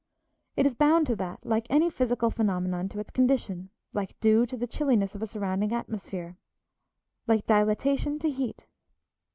It is bound to that like any physical phenomenon to its condition, like dew to the chilliness of a surrounding atmosphere, like dilatation to heat.